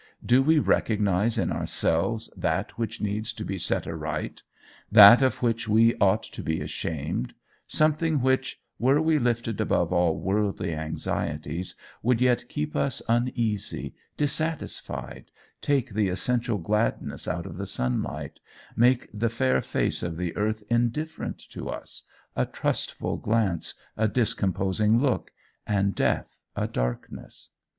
Do we recognize in ourselves that which needs to be set right, that of which we ought to be ashamed, something which, were we lifted above all worldly anxieties, would yet keep us uneasy, dissatisfied, take the essential gladness out of the sunlight, make the fair face of the earth indifferent to us, a trustful glance a discomposing look, and death a darkness?